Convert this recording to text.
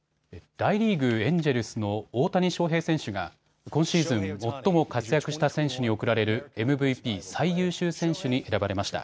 大リーグ、エンジェルスの大谷翔平選手が今シーズン最も活躍した選手に贈られるＭＶＰ・最優秀選手に選ばれました。